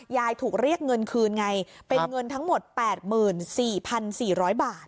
ยายถูกเรียกเงินคืนไงเป็นเงินทั้งหมด๘๔๔๐๐บาท